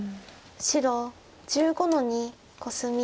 白１５の二コスミ。